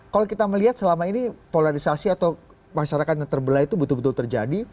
kalau kita melihat selama ini polarisasi atau masyarakat yang terbelah itu betul betul terjadi